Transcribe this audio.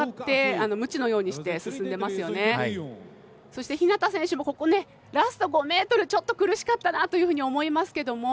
そして日向選手もここねラスト５ｍちょっと苦しかったなというふうに思いますけども。